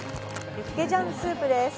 ユッケジャンスープです